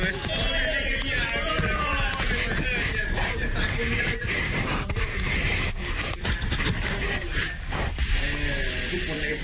มีโดยมี